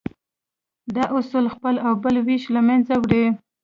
دا اصول خپل او بل وېش له منځه وړي.